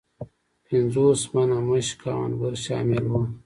پنځوس منه مشک او عنبر شامل وه.